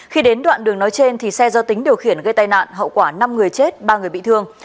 khi đến đoạn đường nói trên xe do tính điều khiển gây tai nạn hậu quả năm người chết ba người bị thương